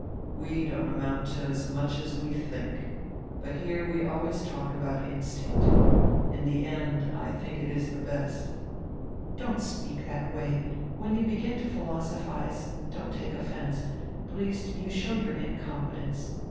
We don't amount to as much as we think. But here we always talk about instinct. In tire end I think it is the best." "Don't speak that way. When you begin to philoso phize — don't take offense — Briest, you show your incom petence.